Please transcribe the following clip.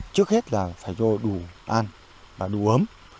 trước hết là phải vô đủ ăn và đủ ấm